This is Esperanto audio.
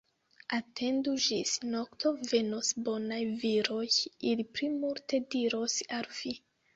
Atendu ĝis nokto, venos bonaj viroj, ili pli multe diros al vi.